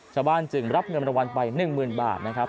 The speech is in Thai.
ชาวบ้านจึงรับเงินมารวมไป๑๐๐๐๐บาทนะครับ